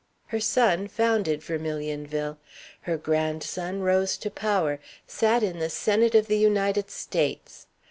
Her son founded Vermilionville. Her grandson rose to power, sat in the Senate of the United States.